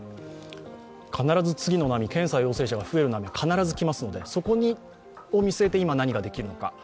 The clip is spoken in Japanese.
必ず次の波、検査陽性者が増える波が必ず来ますので、そこを見据えて今、何ができるのか。